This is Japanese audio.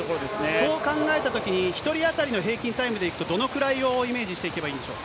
そう考えたときに、１人当たりの平均タイムでいくと、どのくらいをイメージしていけばいいんでしょう。